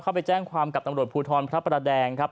ไปแจ้งความกับตำรวจภูทรพระประแดงครับ